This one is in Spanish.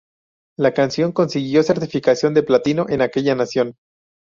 La canción consiguió certificación de platino en aquella nación.